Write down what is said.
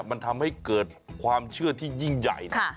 มันทำให้เกิดความเชื่อที่ยิ่งใหญ่นะ